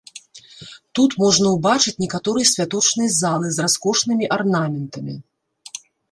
Тут можна ўбачыць некаторыя святочныя залы з раскошнымі арнаментамі.